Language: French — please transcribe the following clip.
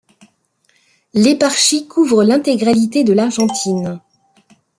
L'éparchie couvre l'intégralité de l'Argentine.